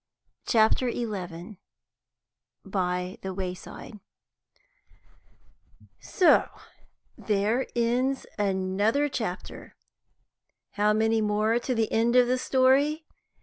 CHAPTER XI BY THE WAYSIDE "So there ends another chapter. How many more to the end of the story?